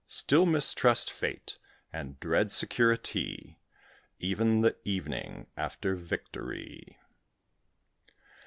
Still mistrust Fate, and dread security, Even the evening after victory.